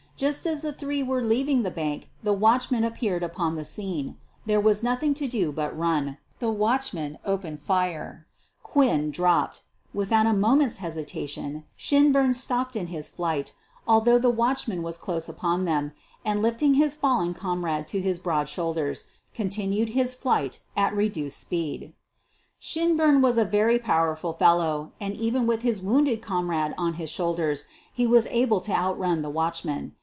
Just as the three were leaving the bank the watchman appeared upon the scene. There was nothing to dt but run. The watchman opened fire. Quin dropped. Without a moment's hesitation Shinbu: stopped in his flight, although the watchman wfca close upon them, and, lifting his fallen comrade to xiis broad shoulders, continued his flight at reduced speed. 262 SOPHIE LYONS Shinburn was a very powerful fellow and even with his wounded comrade on his shoulders he was able to outrun the watchman.